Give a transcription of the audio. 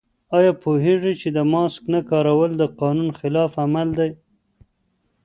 آیا پوهېږئ چې د ماسک نه کارول د قانون خلاف عمل دی؟